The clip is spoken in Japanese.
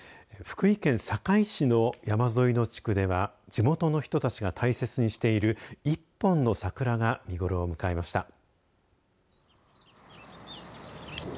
福井県坂井市の山沿いの地区では地元の人たちが大切にしている１本の桜が見頃を迎えました。